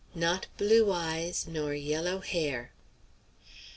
NOT BLUE EYES, NOR YELLOW HAIR.